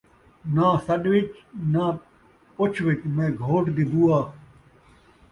ناں سݙ ءِچ ، ناں پچھ ءِچ ، میں گھوٹ دی بوآ